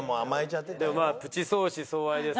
でもまあプチ相思相愛ですからね。